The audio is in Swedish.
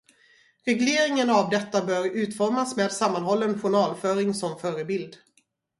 Regleringen av detta bör utformas med sammanhållen journalföring som förebild.